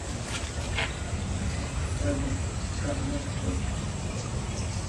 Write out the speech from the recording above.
Saqikusqayqa kaqlla kashasqa.